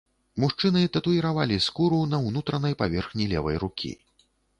Мужчыны татуіравалі скуру на ўнутранай паверхні левай рукі.